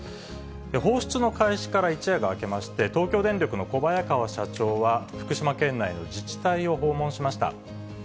放出の開始から一夜が明けまして、東京電力の小早川社長は、福島県内の自治体を訪問しました。